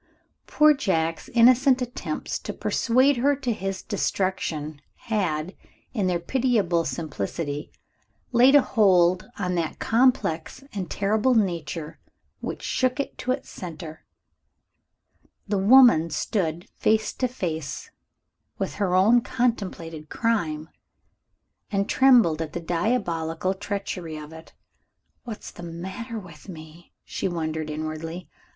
Poor Jack's innocent attempts to persuade her to his destruction had, in their pitiable simplicity, laid a hold on that complex and terrible nature which shook it to its center. The woman stood face to face with her own contemplated crime, and trembled at the diabolical treachery of it. "What's the matter with me?" she wondered inwardly.